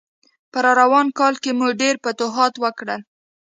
په راروان کال کې مو ډېر فتوحات وکړل.